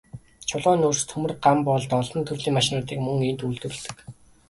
Чулуун нүүрс, төмөр, ган болд, олон төрлийн машинуудыг мөн энд үйлдвэрлэдэг.